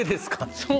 そう。